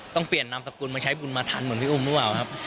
ต้องเปลี่ยนนามสกุลมาใช้บุญมาทันเหมือนพี่อุ้มหรือเปล่าครับ